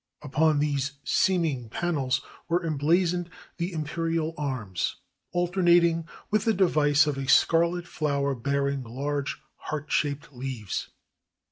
Upon these seeming panels were em blazoned the imperial arms, alternating with the device of a scarlet flower bearing large heart shaped leaves.